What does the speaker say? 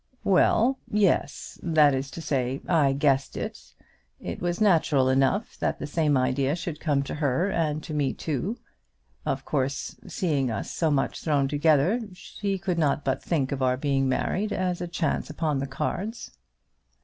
"Well; yes; that is to say, I guessed it. It was natural enough that the same idea should come to her and to me too. Of course, seeing us so much thrown together, she could not but think of our being married as a chance upon the cards."